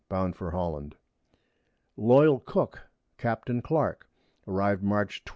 bound for Holland. Loyal Cook, Capt. Clark, arrived March 12.